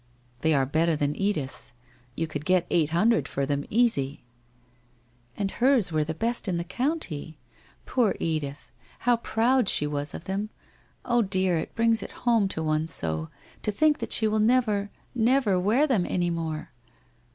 'They are better than Edith's. You could get eight hundred for them easy.' 'And hers were the best in the county. Poor Edith! How proud she was of them. Oh, dear! It brings it home to one so. To think that she will never, never wear them any more